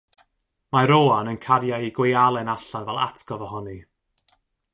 Mae Roan yn cario ei gwialen allan fel atgof ohoni.